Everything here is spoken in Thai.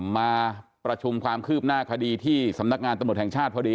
มาประชุมความคืบหน้าคดีที่สำนักงานตำรวจแห่งชาติพอดี